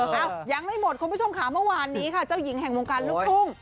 ยังไม่หมดคุณผู้ชมค่ะเมื่อวานนี้ค่ะเจ้าหญิงแห่งวงการลูกทุ่ง